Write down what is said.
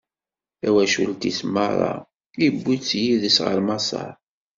Tawacult-is meṛṛa, iwwi-tt yid-s ɣer Maṣer.